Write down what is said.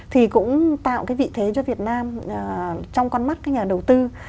thì cũng tạo cái vị thế cho việt nam trong con mắt các nhà đầu tư